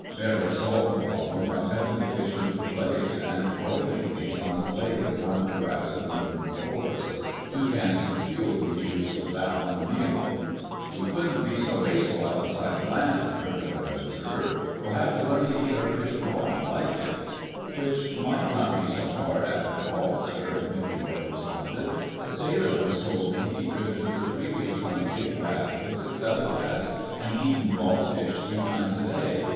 Barry solved the problem by cutting the fish into fillets and broiling these on the blade of one of the raft's aluminum oars. Two cans of fuel were used for that one meal. "We couldn't be so wasteful, out of sight of land," Curly Levitt observed. "We'd have to learn to eat our fish raw and like it." "Which might not be so hard, after all, sir," Mickey Rourke responded. "A sailor once told me he'd drifted for three weeks on a big raft with six other lads, and eaten raw fish three times a day.